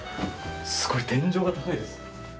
すごい、天井が高いです。